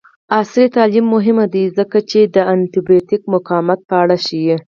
عصري تعلیم مهم دی ځکه چې د انټي بایوټیک مقاومت په اړه ښيي.